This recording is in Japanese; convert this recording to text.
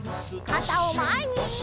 かたをまえに！